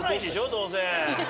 どうせ。